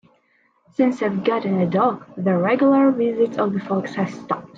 Since I've gotten a dog, the regular visits of the fox have stopped.